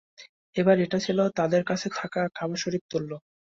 আবার এটা ছিল তাদের কাছে কাবা শরীফ তুল্য।